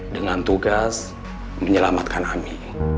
dengan tugas menyelamatkan ami